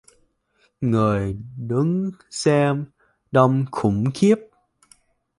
Người đứng Xem đông khủng khiếp